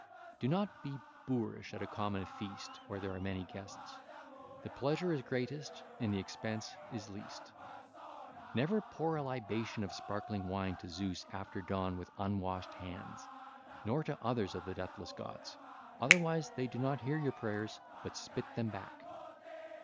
(ll. 722 723) Do not be boorish at a common feast where there are many guests; the pleasure is greatest and the expense is least 1337. (ll. 724 726) Never pour a libation of sparkling wine to Zeus after dawn with unwashen hands, nor to others of the deathless gods; else they do not hear your prayers but spit them back.